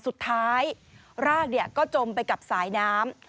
สุดท้ายรากจมเป็นสายน้ำ